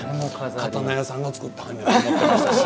刀屋さんが作ってはんのやと思ってましたし。